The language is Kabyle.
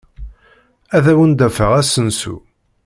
Ad awent-d-afeɣ asensu.